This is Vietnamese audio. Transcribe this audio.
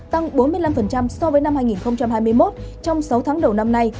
tăng bốn mươi năm so với năm hai nghìn hai mươi một trong sáu tháng đầu năm nay